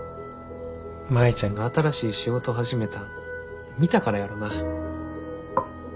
舞ちゃんが新しい仕事始めたん見たからやろな。